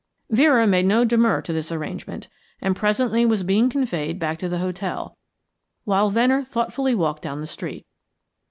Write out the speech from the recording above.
Vera made no demur to this arrangement, and presently was being conveyed back to the hotel, while Venner thoughtfully walked down the street.